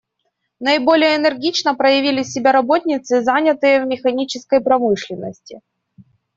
Наиболее энергично проявили себя работницы, занятые в механической промышленности.